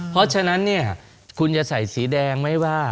เพราะฉะนั้นเนี่ยคุณจะใส่สีแดงไหมว่า